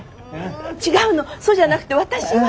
ん違うのそうじゃなくて私は。